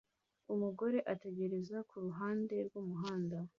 Umugore ategereza kuruhande rwumuhanda